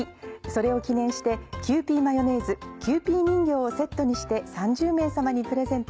それを記念してキユーピーマヨネーズキユーピー人形をセットにして３０名様にプレゼント。